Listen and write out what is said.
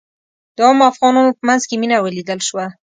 د عامو افغانانو په منځ کې مينه ولیدل شوه.